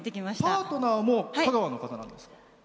パートナーも香川の方なんですか？